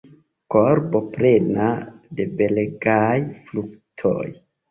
Korbo plena de belegaj fruktoj!